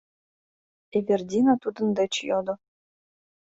— Эвердина тудын деч йодо.